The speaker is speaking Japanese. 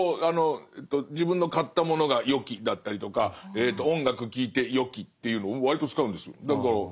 自分の買ったものが「よき」だったりとか音楽聴いて「よき」っていうの割と使うんですよ。